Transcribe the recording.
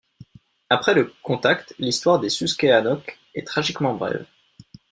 Après le contact, l'histoire des Susquehannocks est tragiquement brève.